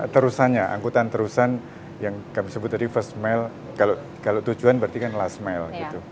terusannya angkutan terusan yang kami sebut tadi first mile kalau tujuan berarti kan last mile